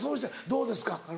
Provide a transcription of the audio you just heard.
どうですか？